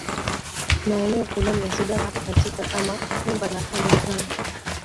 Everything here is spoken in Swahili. na eneo fulani ya sudan hapo katika kama numba na kondo fran